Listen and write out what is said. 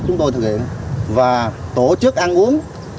chúng tôi thực hiện và tổ chức ăn uống